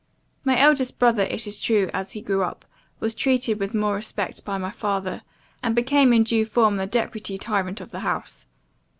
My eldest brother, it is true, as he grew up, was treated with more respect by my father; and became in due form the deputy tyrant of the house.